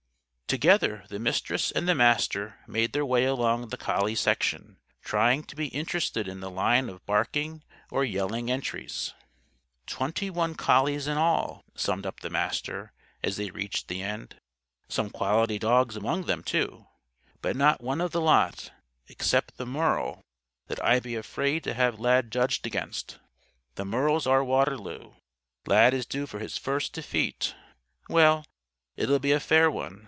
Together, the Mistress and the Master made their way along the collie section, trying to be interested in the line of barking or yelling entries. "Twenty one collies in all," summed up the Master, as they reached the end. "Some quality dogs among them, too. But not one of the lot, except the Merle, that I'd be afraid to have Lad judged against. The Merle's our Waterloo. Lad is due for his first defeat. Well, it'll be a fair one.